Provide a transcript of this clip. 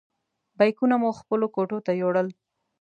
بیکونه مو خپلو کوټو ته یوړل.